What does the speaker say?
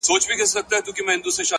د محبت دار و مدار کي خدايه ‘